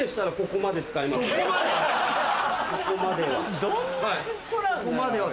ここまでは。